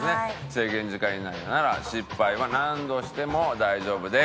制限時間以内なら失敗は何度しても大丈夫です。